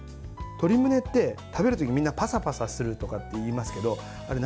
鶏むねって食べる時みんなパサパサするとかって言いますけどあれ